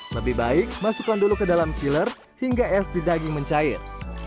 lebih baik masukkan dulu ke dalam chiller hingga es di daging mencair